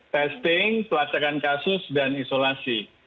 testing pelacakan kasus dan isolasi